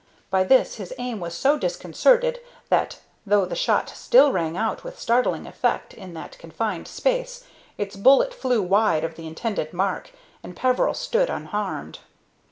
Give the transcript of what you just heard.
By this his aim was so disconcerted that, though the shot still rang out with startling effect in that confined space, its bullet flew wide of the intended mark, and Peveril stood unharmed.